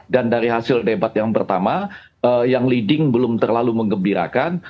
dan dari hasil debat yang pertama yang leading belum terlalu mengembirakan